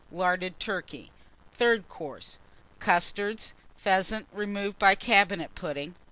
Larded Turkey. Third Course. Custards. Pheasants, Prawns. removed by Cabinet Pudding.